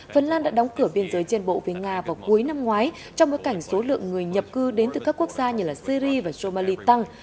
phần lan đã đóng cửa biên giới trên bộ về nga vào cuối năm ngoái trong bối cảnh số lượng người nhập cư đến từ các quốc gia như syri và somali tăng